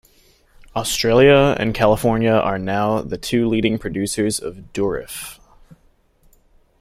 Australia and California are now the two leading producers of Durif.